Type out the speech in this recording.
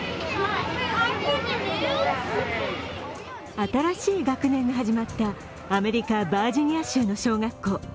新しい学年が始まったアメリカバージニア州の小学校。